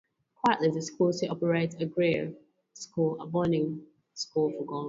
Currently, the school still operates as Grier School, a boarding school for girls.